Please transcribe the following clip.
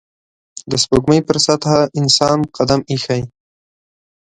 د سپوږمۍ پر سطحه انسان قدم ایښی